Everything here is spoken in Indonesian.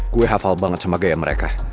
gue hafal banget sama gaya mereka